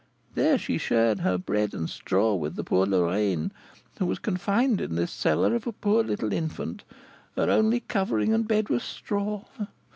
There she shared her bread and straw with the poor Lorraine, who was confined in this cellar of a poor little infant; her only covering and bed was straw!